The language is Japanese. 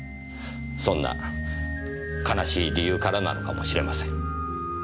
そんな悲しい理由からなのかもしれません。